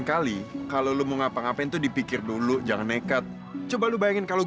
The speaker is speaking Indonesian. kalau lo masih berani deketin ratu matilah